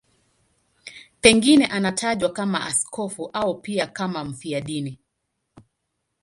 Pengine anatajwa kama askofu au pia kama mfiadini.